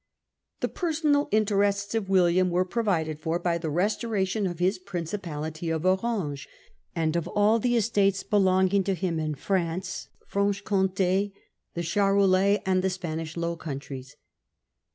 The personal interests of William were provided for by the restoration of his principality of Orange, and of all the estates belonging to him in France, Franche Comte, the Charolais, and the Spanish Low Countries.